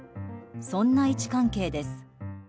そんな位置関係です。